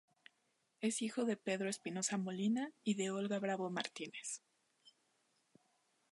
Es hijo de Pedro Espinoza Molina y de Olga Bravo Martínez.